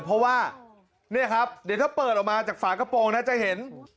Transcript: เพราะว่าเนี่ยครับเดี๋ยวถ้าเปิดออกมาจากฝากระโปรงนะจะเห็น